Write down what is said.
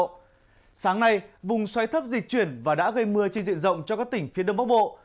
tháng nay vùng xoáy thấp dịch chuyển và đã gây mưa chi diện rộng cho các tỉnh phía tây bắc bộ